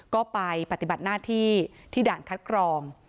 ก็ไปปฏิบัติหน้าที่ที่ด่านคัดกรอง